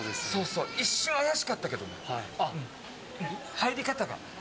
入り方が。